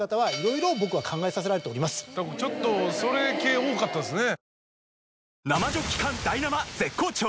ちょっとそれ系多かったですね。